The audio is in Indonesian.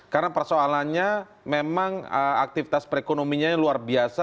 karena persoalannya memang aktivitas perekonominya yang luar biasa